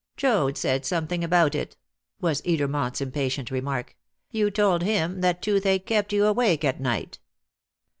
"Joad said something about it," was Edermont's impatient remark; "you told him that toothache kept you awake at night."